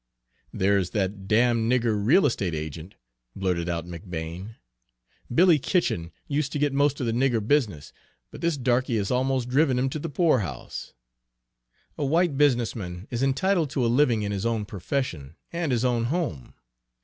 "There's that damn nigger real estate agent," blurted out McBane. "Billy Kitchen used to get most of the nigger business, but this darky has almost driven him to the poorhouse. A white business man is entitled to a living in his own profession and his own home.